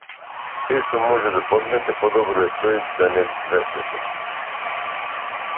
Сешто може да подметне подобро е тој да не ве сретне.